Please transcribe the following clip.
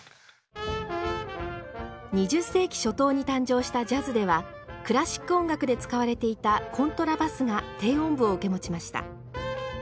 ２０世紀初頭に誕生したジャズではクラシック音楽で使われていたコントラバスが低音部を受け持ちました。